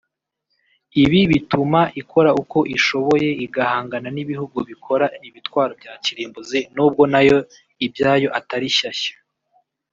Ibi bituma ikora uko ishoboye igahangana n’ ibihugu bikora ibitwaro bya kirimbuzi nubwo nayo ibyayo atari shyashya